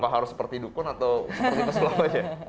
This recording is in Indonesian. apa harus seperti dukun atau seperti pesulap saja